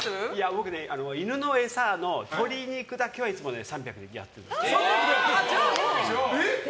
僕、犬の餌の鶏肉だけはいつも３００でやってるんです。